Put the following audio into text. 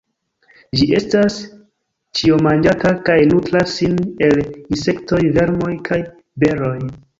Ĝi estas ĉiomanĝanta, kaj nutras sin el insektoj, vermoj kaj beroj.